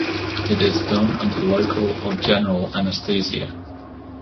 It is done under local or general anesthesia.